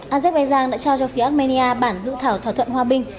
azerbaijan đã trao cho phía armenia bản dự thảo thỏa thuận hòa bình